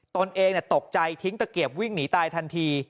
ตนเองตกใจทิ้งตะเกียบวิ่งหนีตายทันที